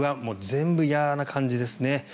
全部、嫌な感じですね。